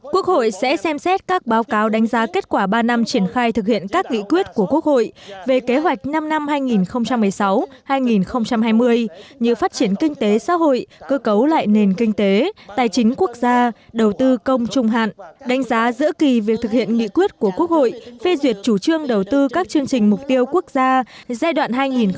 quốc hội sẽ xem xét các báo cáo đánh giá kết quả ba năm triển khai thực hiện các nghị quyết của quốc hội về kế hoạch năm năm hai nghìn một mươi sáu hai nghìn hai mươi như phát triển kinh tế xã hội cơ cấu lại nền kinh tế tài chính quốc gia đầu tư công trung hạn đánh giá giữa kỳ việc thực hiện nghị quyết của quốc hội phê duyệt chủ trương đầu tư các chương trình mục tiêu quốc gia giai đoạn hai nghìn một mươi sáu hai nghìn hai mươi